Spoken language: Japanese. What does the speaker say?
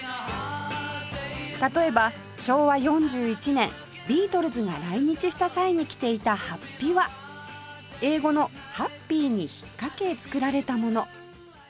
例えば昭和４１年ビートルズが来日した際に着ていた法被は英語の「ハッピー」にひっかけ作られたもの